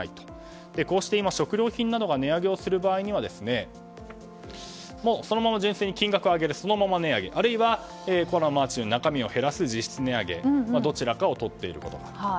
こうして今、食料品などが値上げするときはそのまま純粋に金額を上げるそのまま値上げあるいはコアラのマーチの中身を減らす、実質値上げどちらかを取っているという。